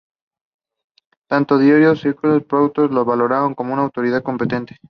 Tanto Diodoro Sículo como Plutarco lo valoraron como una autoridad competente.